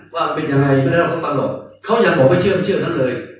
ว่าเป็นยังไงไม่ได้รับเขามาหลอกเขายังบอกไม่เชื่อไม่เชื่อเขาเลย